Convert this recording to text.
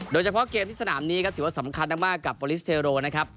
โดยเฉพาะเกมที่สนามนี้ครับถือว่าสำคัญมากกับโปรลิสเทโรนะครับ